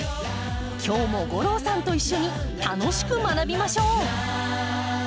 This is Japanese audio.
今日も吾郎さんと一緒に楽しく学びましょう！